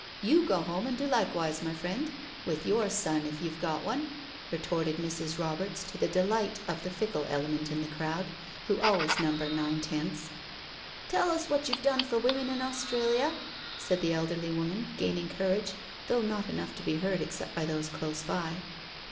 You go home and do likewise, my friend, with your son if you've got one," retorted Mrs. Roberts, to the delight of the fickle element in the crowd who always number nine tenths. '* Tell us what you've done for women in Australia," said the elderly woman, gaining courage, though not enough to be heard except by those close by.